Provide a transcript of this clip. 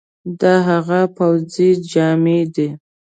دا هغه پوځي جامي دي،